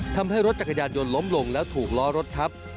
ทำให้รถจักรยานยนต์ล้มลงแล้วถูกล้อรถทับ